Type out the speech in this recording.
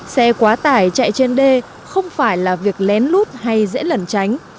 xe quá tải chạy trên đê không phải là việc lén lút hay dễ lẩn tránh